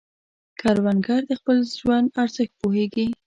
کروندګر د خپل ژوند ارزښت پوهیږي